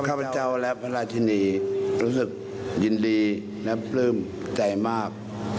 ข้าพเจ้าและพระราชินีรู้สึกยินดีและปลื้มใจมาก